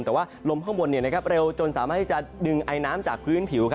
แต่ว่าลมข้างบนเร็วจนสามารถที่จะดึงไอน้ำจากพื้นผิว